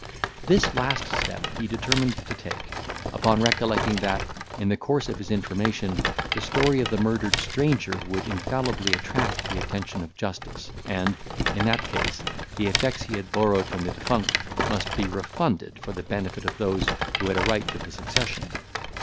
This last step he determined to take, upon recollecting, that, in the course of his information, the story of the murdered stranger would infallibly attract the attention of justice, and, in that case, the effects he had borrowed from the defunct must be refunded for the benefit of those who had a right to the succession.